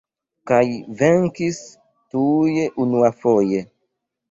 Kaj venkis tuj unuafoje.